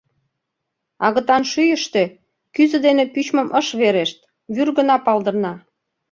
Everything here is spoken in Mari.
Агытан шӱйыштӧ кӱзӧ дене пӱчмым ыш верешт, вӱр гына палдырна.